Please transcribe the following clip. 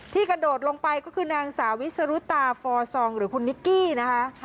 กระโดดลงไปก็คือนางสาวิสรุตาฟอซองหรือคุณนิกกี้นะคะ